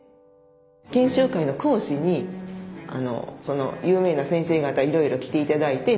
研修会の講師に有名な先生方いろいろ来て頂いて。